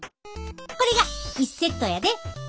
これが１セットやで。